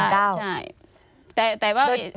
ใช่ใช่แต่ว่า